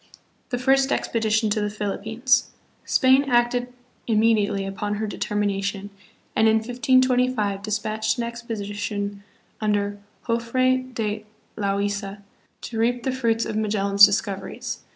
The First Expedition to the Philippines. Spain acted immediately upon her determination, and hi 1525 dis patched an expedition under Jofre de Loaisa to reap the fruits of Magellan's discoveries.